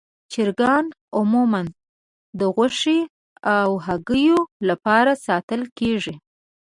چرګان عموماً د غوښې او هګیو لپاره ساتل کېږي.